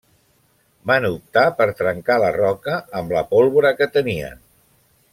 Van optar per trencar la roca amb la pólvora que tenien.